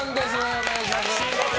お願いします。